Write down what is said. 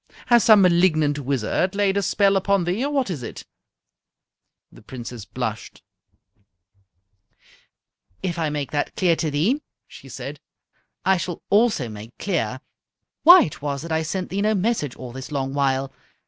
Has some malignant wizard laid a spell upon thee, or what is it?" The Princess blushed. "If I make that clear to thee," she said, "I shall also make clear why it was that I sent thee no message all this long while.